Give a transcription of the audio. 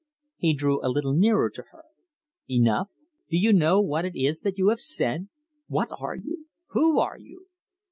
He drew a little nearer to her. "Enough! Do you know what it is that you have said? What are you? Who are you?"